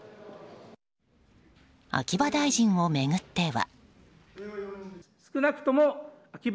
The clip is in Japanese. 秋葉大臣を巡っては。